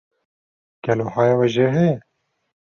Gelo haya we ji we heye?